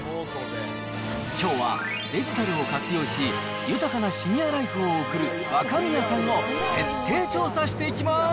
きょうはデジタルを活用し、豊かなシニアライフを送る若宮さんを徹底調査していきます。